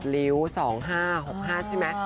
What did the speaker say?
ริ้ว๒๕๖๕ใช่ไหม